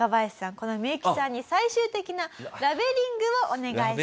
このミユキさんに最終的なラベリングをお願いします。